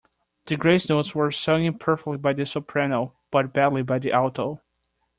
The grace notes were sung perfectly by the soprano, but badly by the alto